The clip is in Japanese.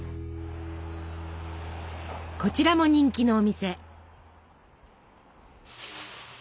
こちらも人気のお店。